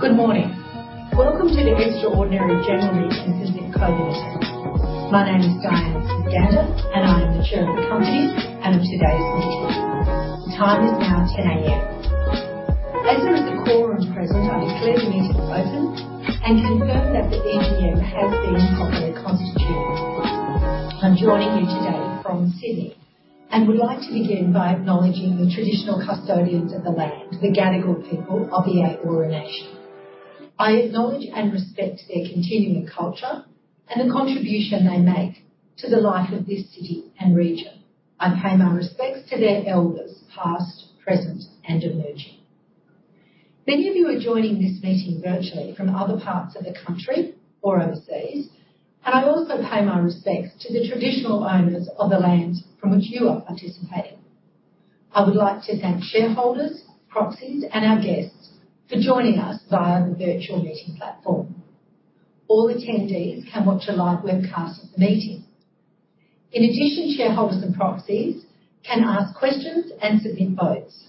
Good morning. Welcome to the Extraordinary General Meeting for Zip Co Limited. My name is Diane Smith-Gander, and I'm the Chair of the company and of today's meeting. The time is now 10:00 A.M. As there is a quorum present, I declare the meeting open and confirm that the EGM has been properly constituted. I'm joining you today from Sydney and would like to begin by acknowledging the traditional custodians of the land, the Gadigal people of the Eora Nation. I acknowledge and respect their continuing culture and the contribution they make to the life of this city and region. I pay my respects to their elders, past, present, and emerging. Many of you are joining this meeting virtually from other parts of the country or overseas, and I also pay my respects to the traditional owners of the land from which you are participating. I would like to thank shareholders, proxies, and our guests for joining us via the virtual meeting platform. All attendees can watch a live webcast of the meeting. In addition, shareholders and proxies can ask questions and submit votes.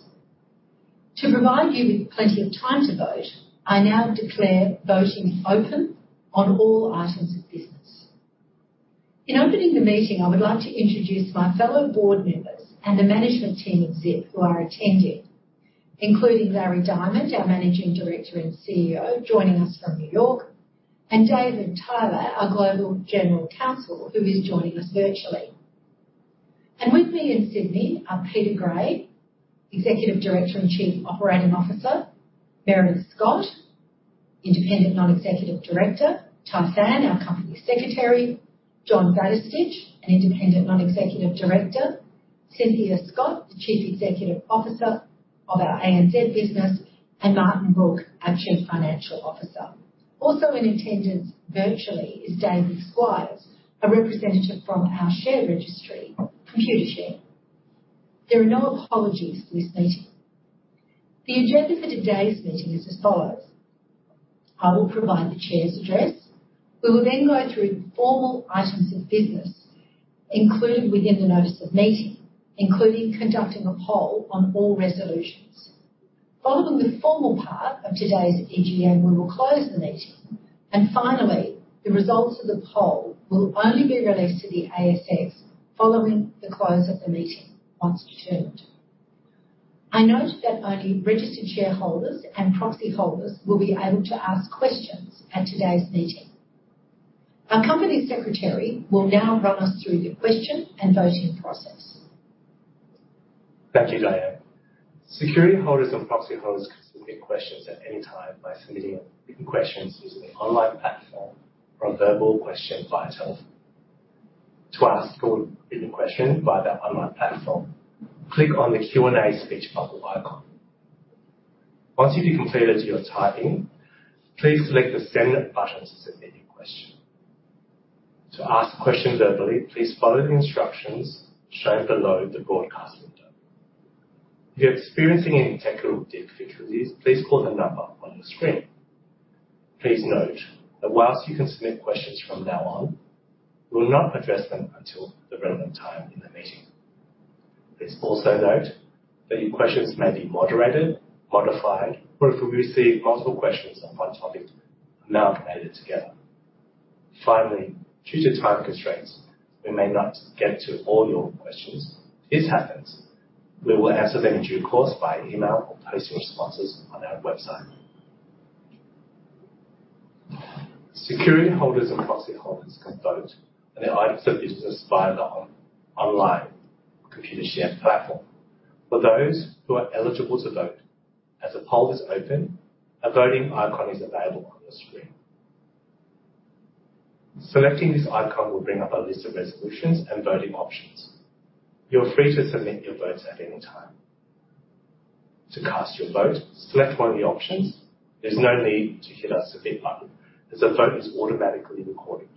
To provide you with plenty of time to vote, I now declare voting open on all items of business. In opening the meeting, I would like to introduce my fellow board members and the management team of Zip, who are attending, including Larry Diamond, our Managing Director and CEO, joining us from New York, and David Tyler, our Global General Counsel, who is joining us virtually. With me in Sydney are Peter Gray, Executive Director and Chief Operating Officer, Meredith Scott, Independent Non-Executive Director, Tai Phan, our Company Secretary, John Radclyffe, an Independent Non-Executive Director, Cynthia Scott, the Chief Executive Officer of our ANZ business, and Martin Brooke, our Chief Financial Officer. Also in attendance, virtually, is David Squires, a representative from our share registry, Computershare. There are no apologies for this meeting. The agenda for today's meeting is as follows: I will provide the chair's address. We will then go through formal items of business included within the notice of meeting, including conducting a poll on all resolutions. Following the formal part of today's EGM, we will close the meeting, and finally, the results of the poll will only be released to the ASX following the close of the meeting, once determined. I note that only registered shareholders and proxy holders will be able to ask questions at today's meeting. Our Company Secretary will now run us through the question and voting process. Thank you, Diane. Security holders and proxy holders can submit questions at any time by submitting written questions using the online platform or a verbal question via telephone. To ask a written question via the online platform, click on the Q&A speech bubble icon. Once you've completed your typing, please select the Send button to submit your question. To ask questions verbally, please follow the instructions shown below the broadcast window. If you're experiencing any technical difficulties, please call the number on the screen. Please note that while you can submit questions from now on, we will not address them until the relevant time in the meeting. Please also note that your questions may be moderated, modified, or if we receive multiple questions on one topic, they may be aggregated together. Finally, due to time constraints, we may not get to all your questions. If this happens, we will answer them in due course by email or post responses on our website. Security holders and proxy holders can vote on the items of business via the online Computershare platform. For those who are eligible to vote, as the poll is open, a voting icon is available on the screen. Selecting this icon will bring up a list of resolutions and voting options. You're free to submit your votes at any time. To cast your vote, select one of the options. There's no need to hit a submit button, as the vote is automatically recorded.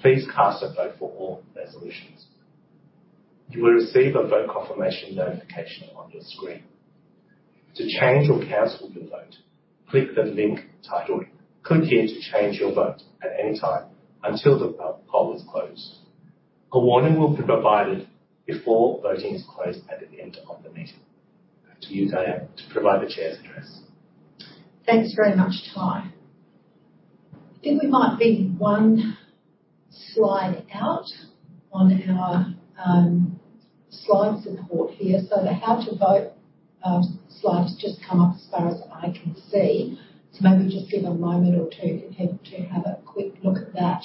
Please cast a vote for all resolutions. You will receive a vote confirmation notification on your screen. To change or cancel your vote, click the link titled, "Click here to change your vote" at any time until the poll is closed. A warning will be provided before voting is closed at the end of the meeting. Back to you, Diane, to provide the chair's address. Thanks very much, Ty. I think we might be one slide out on our slide support here. The how to vote slide's just come up, as far as I can see. Maybe just give a moment or two to have, to have a quick look at that.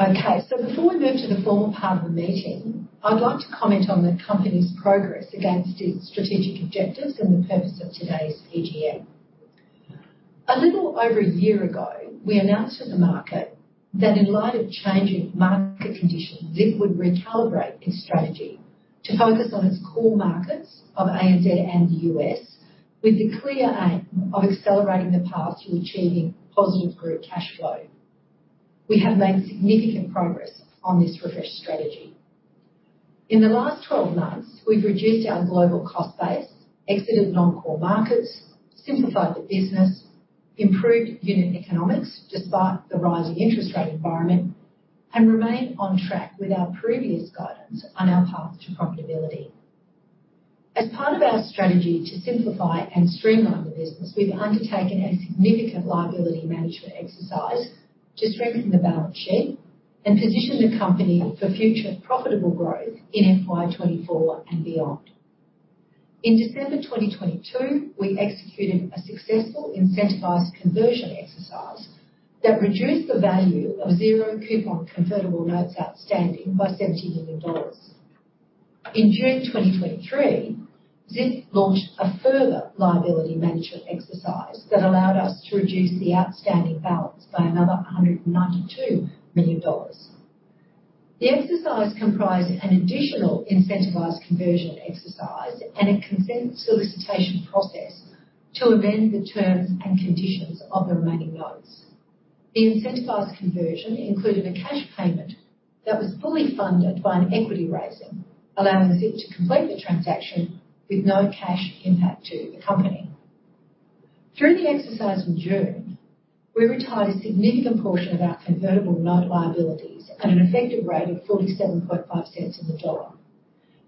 Okay, before we move to the formal part of the meeting, I'd like to comment on the company's progress against its strategic objectives and the purpose of today's EGM. A little over a year ago, we announced to the market that in light of changing market conditions, Zip would recalibrate its strategy to focus on its core markets of ANZ and the US, with the clear aim of accelerating the path to achieving positive group cash flow. We have made significant progress on this refreshed strategy. In the last 12 months, we've reduced our global cost base, exited non-core markets, simplified the business, improved unit economics, despite the rising interest rate environment. Remain on track with our previous guidance on our path to profitability. As part of our strategy to simplify and streamline the business, we've undertaken a significant Liability Management Exercise to strengthen the balance sheet and position the company for future profitable growth in FY24 and beyond. In December 2022, we executed a successful Incentivized Conversion Exercise that reduced the value of Zero Coupon Convertible Notes outstanding by 70 million dollars. In June 2023, Zip launched a further Liability Management Exercise that allowed us to reduce the outstanding balance by another 192 million dollars. The exercise comprised an additional Incentivized Conversion Exercise and a Consent Solicitation Process to amend the terms and conditions of the remaining notes. The Incentivized Conversion included a cash payment that was fully funded by an equity raising, allowing Zip to complete the transaction with no cash impact to the company. Through the exercise in June, we retired a significant portion of our convertible note liabilities at an effective rate of 0.475 on the dollar,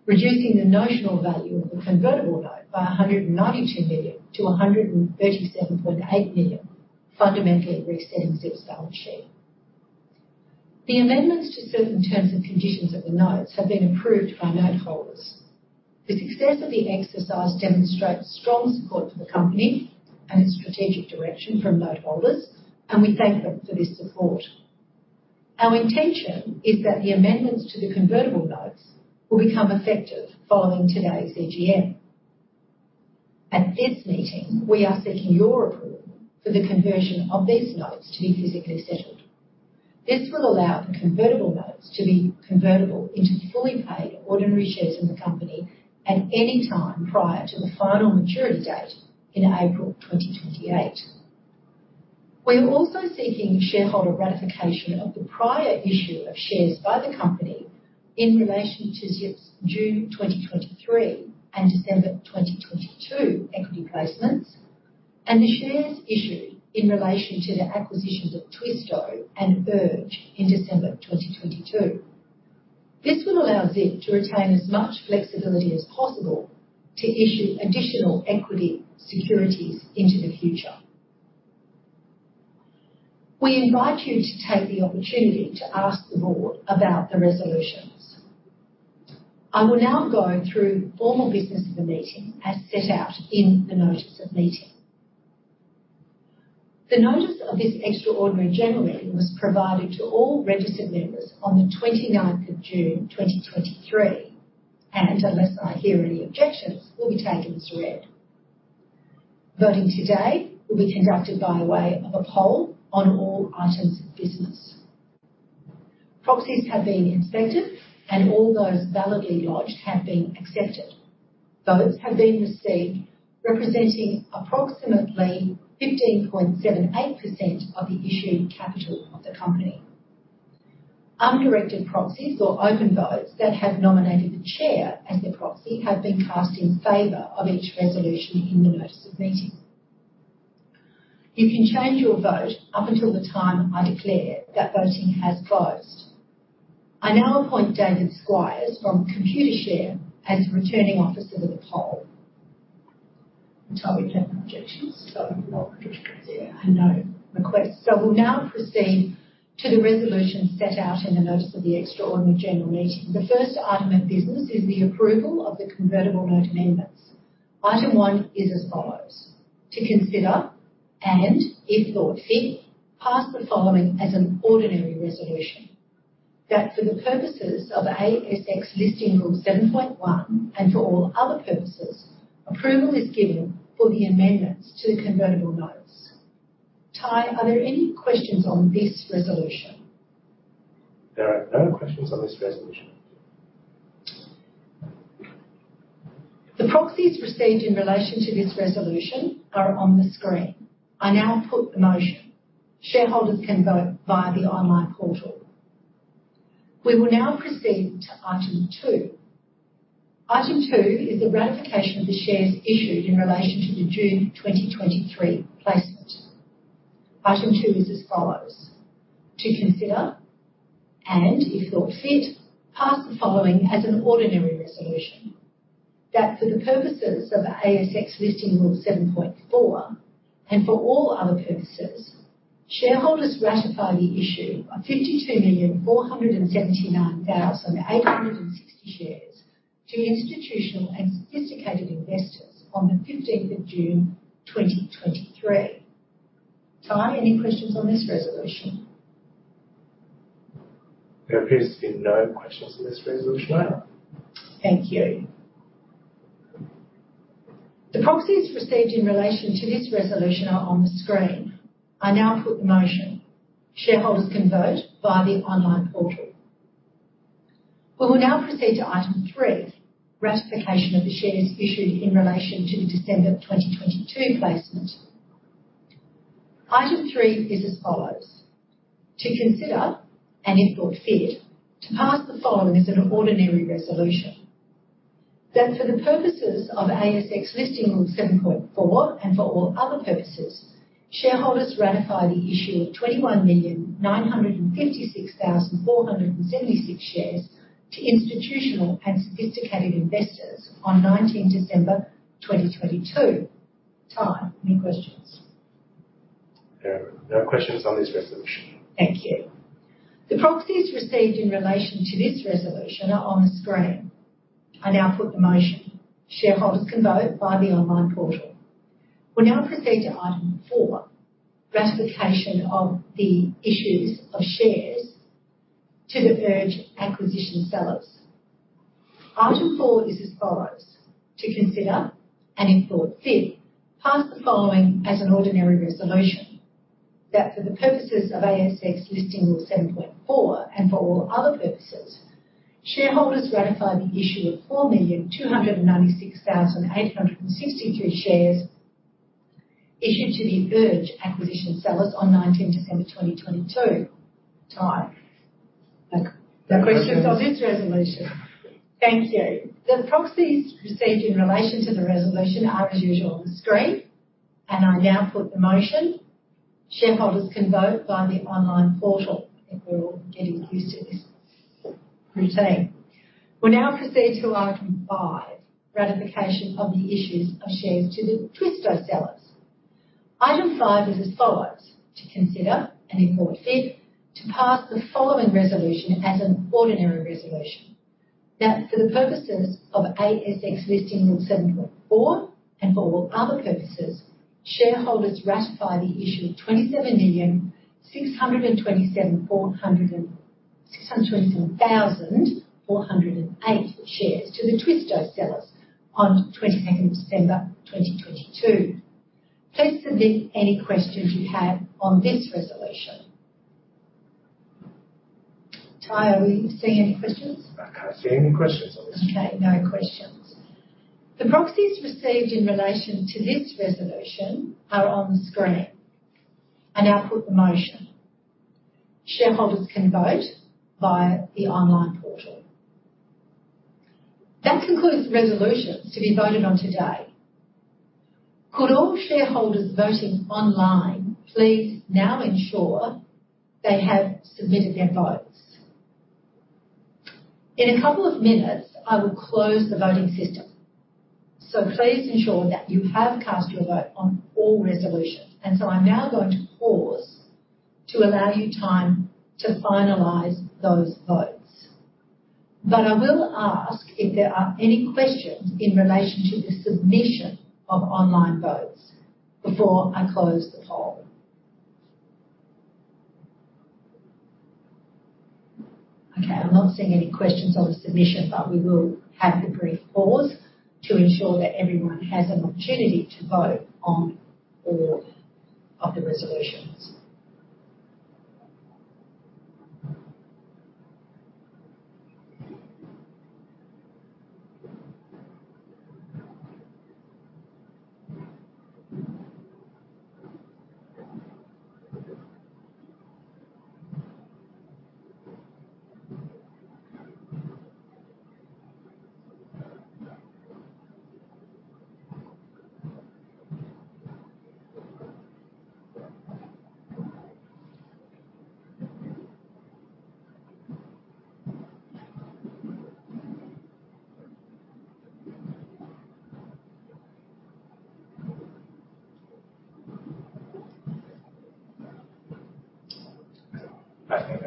reducing the notional value of the convertible note by 192 million to 137.8 million, fundamentally reextending Zip's balance sheet. The amendments to certain terms and conditions of the notes have been approved by note holders. The success of the exercise demonstrates strong support for the company and its strategic direction from note holders, and we thank them for this support. Our intention is that the amendments to the convertible notes will become effective following today's EGM. At this meeting, we are seeking your approval for the conversion of these notes to be physically settled. This will allow the convertible notes to be convertible into fully paid ordinary shares in the company at any time prior to the final maturity date in April 2028. We are also seeking shareholder ratification of the prior issue of shares by the company in relation to Zip's June 2023 and December 2022 equity placements, and the shares issued in relation to the acquisitions of Twisto and Urge in December 2022. This will allow Zip to retain as much flexibility as possible to issue additional equity securities into the future. We invite you to take the opportunity to ask the board about the resolutions. I will now go through formal business of the meeting as set out in the notice of meeting. The notice of this extraordinary general meeting was provided to all registered members on the 29th of June, 2023, and unless I hear any objections, will be taken as read. Voting today will be conducted by way of a poll on all items of business. Proxies have been inspected, and all those validly lodged have been accepted. Votes have been received, representing approximately 15.78% of the issued capital of the company. Undirected proxies or open votes that have nominated the chair as their proxy have been cast in favor of each resolution in the notice of meeting. You can change your vote up until the time I declare that voting has closed. I now appoint David Squires from Computershare as Returning Officer of the poll. Ty, we've had no objections, so no, and no requests. We'll now proceed to the resolution set out in the notice of the Extraordinary General Meeting. The first item of business is the approval of the convertible note amendments. Item one is as follows: To consider, and, if thought fit, pass the following as an ordinary resolution - That for the purposes of ASX Listing Rule 7.1, and for all other purposes, approval is given for the amendments to the convertible notes. Ty, are there any questions on this resolution? There are no questions on this resolution. The proxies received in relation to this resolution are on the screen. I now put the motion. Shareholders can vote via the online portal. We will now proceed to item 2. Item 2 is the ratification of the shares issued in relation to the June 2023 placement. Item 2 is as follows: To consider, and, if thought fit, pass the following as an ordinary resolution - That for the purposes of ASX Listing Rule 7.4, and for all other purposes, shareholders ratify the issue of 52,479,860 shares to institutional and sophisticated investors on the 15th of June, 2023. Tai, any questions on this resolution? There appears to be no questions on this resolution, ma'am. Thank you. The proxies received in relation to this resolution are on the screen. I now put the motion. Shareholders can vote via the online portal. We will now proceed to item three, ratification of the shares issued in relation to the December 2022 placement. Item three is as follows: To consider, and if thought fit, to pass the following as an ordinary resolution-... That for the purposes of ASX Listing Rule 7.4, and for all other purposes, shareholders ratify the issue of 21,956,476 shares to institutional and sophisticated investors on 19 December, 2022. Tai, any questions? There are no questions on this resolution. Thank you. The proxies received in relation to this resolution are on the screen. I now put the motion. Shareholders can vote via the online portal. We'll now proceed to item 4, ratification of the issues of shares to the Urge acquisition sellers. Item 4 is as follows: To consider, and if the board fit, pass the following as an ordinary resolution, that for the purposes of ASX Listing Rule 7.4, and for all other purposes, shareholders ratify the issue of 4,296,862 shares issued to the Urge acquisition sellers on 19 December, 2022. Tai? No questions on this resolution. Thank you. The proxies received in relation to the resolution are as usual on the screen, I now put the motion. Shareholders can vote via the online portal. I think we're all getting used to this routine. We'll now proceed to item 5, ratification of the issues of shares to the Twisto sellers. Item five is as follows: To consider, and if the board fit, to pass the following resolution as an ordinary resolution, that for the purposes of ASX Listing Rule 7.4, and for all other purposes, shareholders ratify the issue of 27,627,408 shares to the Twisto sellers on 22nd December, 2022. Please submit any questions you have on this resolution. Ty, are we seeing any questions? I can't see any questions on this. Okay, no questions. The proxies received in relation to this resolution are on the screen. I now put the motion. Shareholders can vote via the online portal. That concludes the resolutions to be voted on today. Could all shareholders voting online please now ensure they have submitted their votes? In a couple of minutes, I will close the voting system, please ensure that you have cast your vote on all resolutions. I'm now going to pause to allow you time to finalize those votes. I will ask if there are any questions in relation to the submission of online votes before I close the poll. Okay, I'm not seeing any questions on the submission, we will have the brief pause to ensure that everyone has an opportunity to vote on all of the resolutions.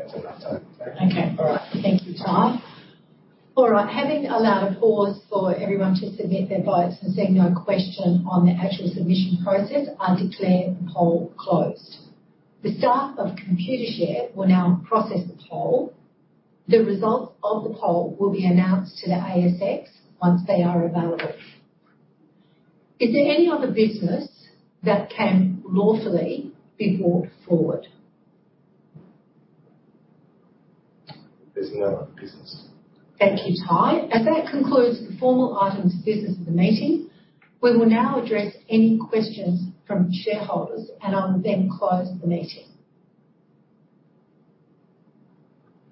I think that's enough time. Okay. All right. Thank you, Ty. All right. Having allowed a pause for everyone to submit their votes, seeing no question on the actual submission process, I declare the poll closed. The staff of Computershare will now process the poll. The results of the poll will be announced to the ASX once they are available. Is there any other business that can lawfully be brought forward? There's no other business. Thank you, Tai. As that concludes the formal items of business of the meeting, we will now address any questions from shareholders, and I'll then close the meeting.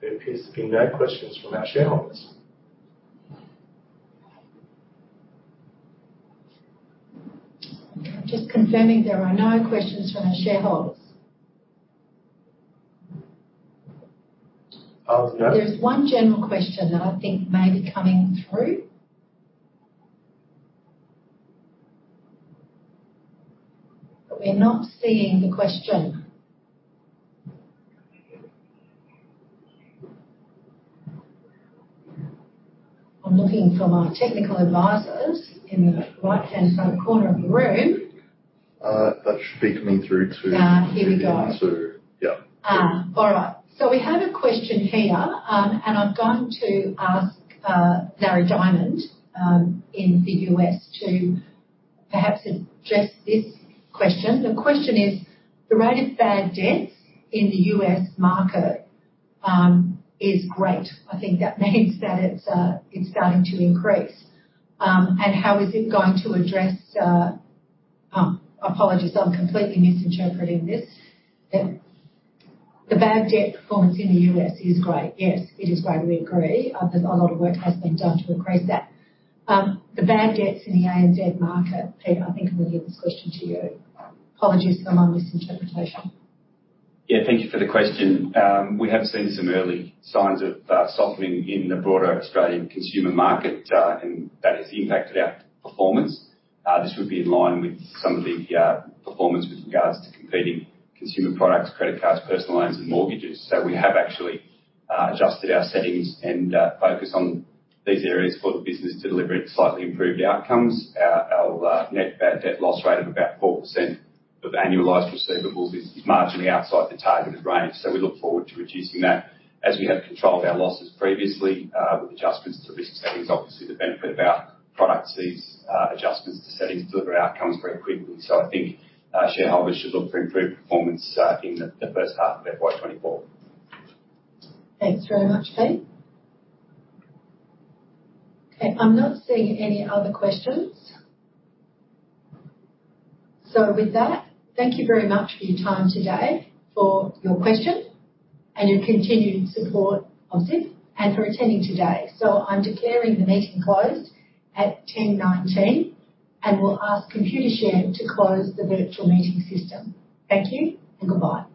There appears to be no questions from our shareholders. Just confirming there are no questions from our shareholders. No- There's one general question that I think may be coming through. We're not seeing the question. I'm looking for my technical advisors in the right-hand side corner of the room. That should be coming through. Here we go. To... Yeah. All right. We have a question here, and I'm going to ask Larry Diamond in the US to perhaps address this question. The question is: The rate of bad debts in the US market is great. I think that means that it's starting to increase. How is it going to address. Apologies, I'm completely misinterpreting this. The bad debt performance in the US is great. Yes, it is great, we agree. There's a lot of work has been done to increase that. The bad debts in the ANZ market, Pete, I think I'm going to give this question to you. Apologies for my misinterpretation. Yeah, thank you for the question. We have seen some early signs of softening in the broader Australian consumer market, and that has impacted our performance. This would be in line with some of the performance with regards to competing consumer products, credit cards, personal loans and mortgages. We have actually adjusted our settings and focus on these areas for the business to deliver slightly improved outcomes. Our net bad debt loss rate of about 4% of annualized receivables is marginally outside the targeted range, we look forward to reducing that. As we have controlled our losses previously, with adjustments to risk settings, obviously the benefit of our products, these adjustments to settings deliver outcomes very quickly. I think shareholders should look for improved performance in the first half of FY24. Thanks very much, Pete. Okay, I'm not seeing any other questions. With that, thank you very much for your time today, for your questions, and your continued support of Zip, and for attending today. I'm declaring the meeting closed at 10:19 A.M., and will ask Computershare to close the virtual meeting system. Thank you and goodbye.